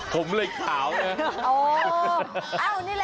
ผมเล็กขาวเนี่ย